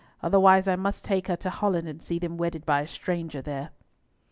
Otherwise, I must take her to Holland and see them wedded by a stranger there."